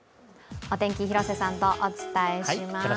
お天気、広瀬さんとお伝えします。